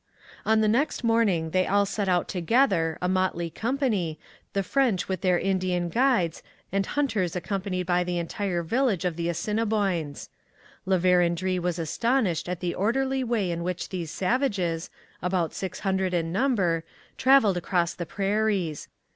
On the next morning they all set out together, a motley company, the French with their Indian guides and hunters accompanied by the entire village of Assiniboines. La Vérendrye was astonished at the orderly way in which these savages, about six hundred in number, travelled across the prairies.